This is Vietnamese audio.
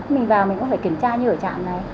mình vào mình cũng phải kiểm tra như ở trạm này